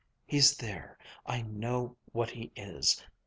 He's there. I know what he is.